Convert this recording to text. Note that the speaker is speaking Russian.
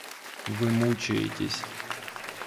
Вы мучаетесь.